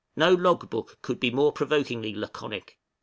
No log book could be more provokingly laconic.